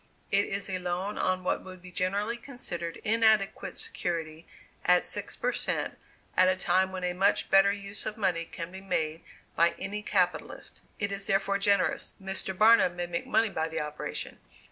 It is a loan on what would be generally considered inadequate security, at six per cent, at a time when a much better use of money can be made by any capitalist. It is therefore generous. Mr. Barnum may make money by the operation.